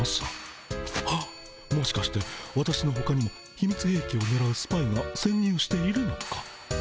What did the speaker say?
はっもしかして私のほかにもひみつへいきをねらうスパイがせん入しているのか？